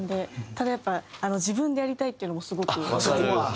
ただやっぱ自分でやりたいっていうのもスゴくわかります。